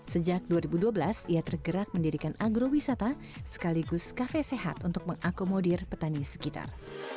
sejak dua ribu dua belas ia tergerak mendirikan agrowisata sekaligus kafe sehat untuk mengakomodir petani sekitar